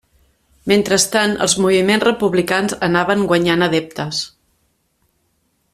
Mentrestant, els moviments republicans anaven guanyant adeptes.